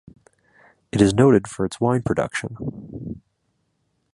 It is noted for its wine production.